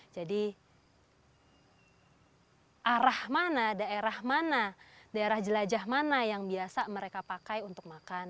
jadi arah mana daerah mana daerah jelajah mana yang biasa mereka pakai untuk makan